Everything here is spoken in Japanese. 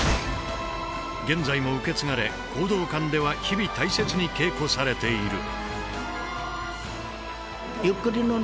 現在も受け継がれ講道館では日々大切に稽古されている。